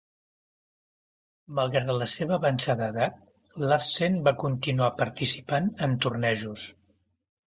Malgrat la seva avançada edat, Larsen va continuar participant en tornejos.